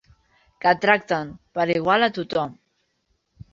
Que tracten per igual a tothom.